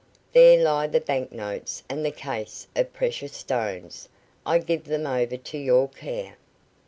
There lie the bank notes and the case of precious stones. I give them over to your care."